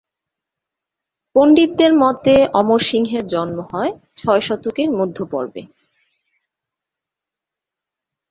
পন্ডিতদের মতে, অমরসিংহের জন্ম হয় ছয় শতকের মধ্যপর্বে।